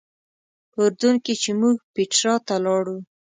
په اردن کې چې موږ پیټرا ته لاړو.